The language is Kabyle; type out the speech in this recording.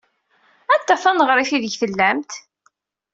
Anta taneɣrit aydeg tellamt?